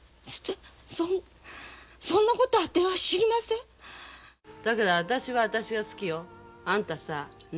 そんそんなことあては知りませんだけど私は私が好きよあんたさね